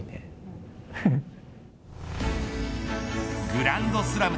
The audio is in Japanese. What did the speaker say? グランドスラム。